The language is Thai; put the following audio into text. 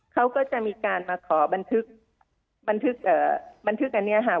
เขาก็จะมีการมาขอบันทึก